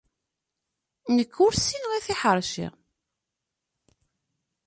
Nek ur ssineɣ i tiḥeṛci